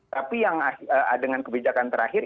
tapi yang dengan kebijakan terakhir